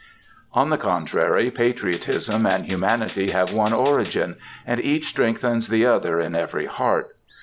On the contrary, patriotism and humanity have one origin, and each strengthens the other in every heart.